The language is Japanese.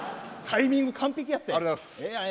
タイミング完璧やった。